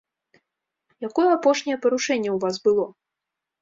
Якое апошняе парушэнне ў вас было?